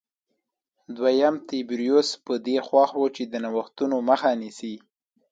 دویم تبریوس په دې خوښ و چې د نوښتونو مخه نیسي